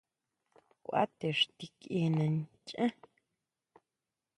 Kʼua te xtikiena nchaá.